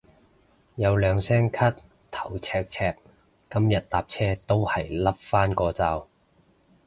有兩聲咳頭赤赤，今日搭車都係笠返個罩